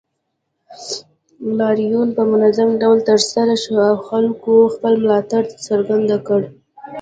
لاریون په منظم ډول ترسره شو او خلکو خپل ملاتړ څرګند کړ